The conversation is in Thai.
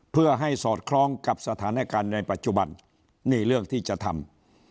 เพื่อให้สอดคล้องกับสถานการณ์ในปัจจุบันนี่เรื่องที่จะทำ